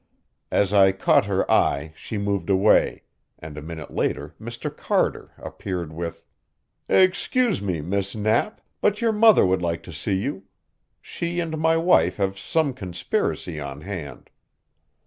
As I caught her eye she moved away, and a minute later Mr. Carter appeared with, "Excuse me, Miss Knapp, but your mother would like to see you. She and my wife have some conspiracy on hand."